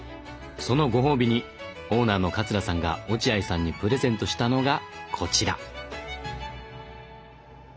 そのご褒美にオーナーの桂さんが落合さんにプレゼントしたのがこちら！